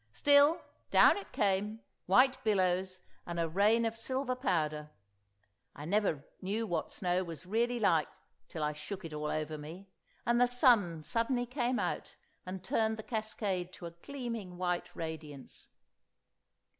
Still, down it came, white billows and a rain of silver powder. I never knew what snow was really like, till I shook it all over me, and the sun suddenly came out and turned the cascade to a gleaming white radiance.